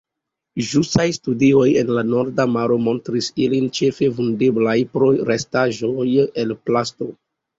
Ĵusaj studioj en la Norda Maro montris ilin ĉefe vundeblaj pro restaĵoj el plasto.